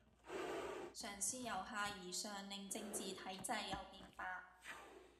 嘗試由下而上令政治體制有變化